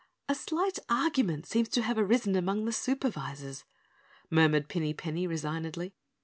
"A slight argument seems to have arisen among the Supervisors," murmured Pinny Penny resignedly.